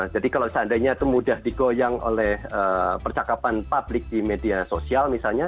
jadi kalau seandainya itu mudah digoyang oleh percakapan publik di media sosial misalnya